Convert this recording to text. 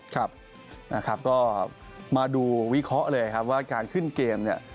ครับนะครับก็มาดูวิเคราะห์เลยครับว่าการขึ้นเกมเนี่ย